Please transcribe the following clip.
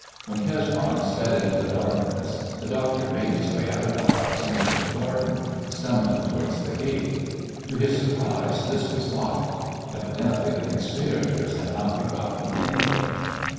When Cesbron sped into the darkness the doctor made his way out of the house and into the garden, stumbling towards the gate. To his surprise this was locked. Evidently the conspirators had not forgotten anything.